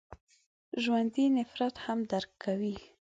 ژوندي نفرت هم درک کوي